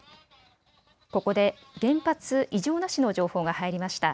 ここで原発異常なしの情報が入りました。